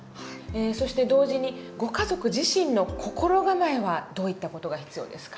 そして同時にご家族自身の心構えはどういった事が必要ですか？